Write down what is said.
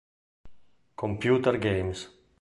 Computer Games